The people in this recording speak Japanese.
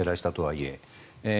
いえ。